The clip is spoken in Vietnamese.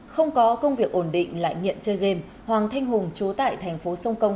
không có công việc ổn định lại nghiện chơi game hoàng thanh hùng chú tại tp sông công